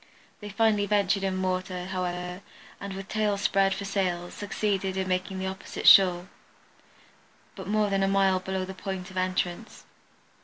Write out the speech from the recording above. They finally ventured in the water, however, and with tails spread for sails, succeeded in making the opposite shore, but more than a mile below the point of entrance.